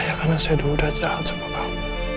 apa ini karma untuk saya karena saya sudah jahat sama kamu